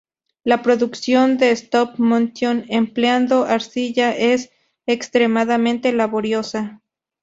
La producción de "stop motion" empleando arcilla es extremadamente laboriosa.